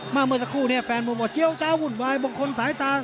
เมื่อสักครู่เนี่ยแฟนมุมว่าเจี๊ยเจ้าวุ่นวายบางคนสายตา